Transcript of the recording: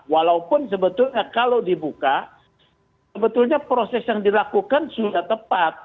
walaupun sebetulnya kalau dibuka sebetulnya proses yang dilakukan sudah tepat